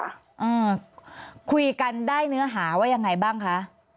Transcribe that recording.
อ่าคุยกันได้เนื้อหาว่ายังไงบ้างคะ